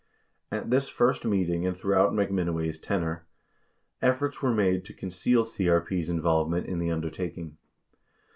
67 At this first meeting and throughout McMinoway's tenure, efforts were made to conceal CRP's involvement in the undertaking.